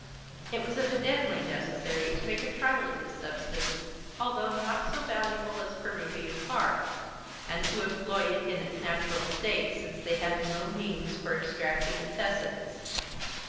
It was evidently necessary to make trial of this substance, although not so valuable as Peruvian bark, and to employ it in its natural state, since they had no means for extracting its essence.